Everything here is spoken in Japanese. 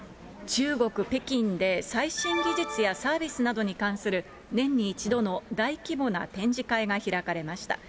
中国・北京で、最新技術やサービスなどに関する、年に一度の大規模な展示会が開かれました。